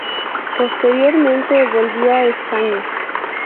Posteriormente volvió a España.